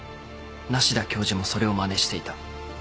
梨多教授もそれをまねしていた。